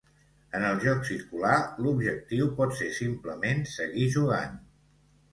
En el joc circular, l'objectiu pot ser simplement seguir jugant.